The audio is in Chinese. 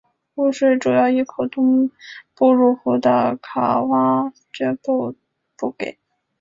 湖水主要依靠东部入湖的卡挖臧布补给。